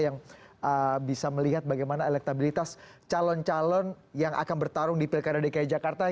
yang bisa melihat bagaimana elektabilitas calon calon yang akan bertarung di pilkada dki jakarta